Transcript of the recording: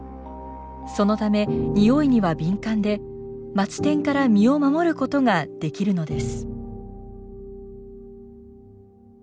そのためニオイには敏感でマツテンから身を守ることができるのです。